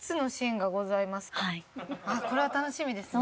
これは楽しみですね。